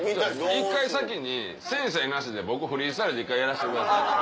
１回先に先生なしで僕フリースタイルで１回やらせてください。